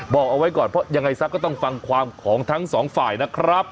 บอกเอาไว้ก่อนเพราะยังไงซะก็ต้องฟังความของทั้งสองฝ่ายนะครับ